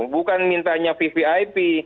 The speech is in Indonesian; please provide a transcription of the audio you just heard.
bukan mintanya vvip